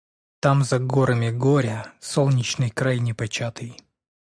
Там за горами горя солнечный край непочатый.